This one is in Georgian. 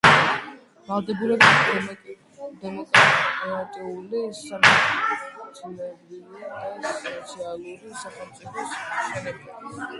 ვალდებულებები, დემოკრატიული, სამართლებრივი და სოციალური სახელმწიფოს მშენებლობის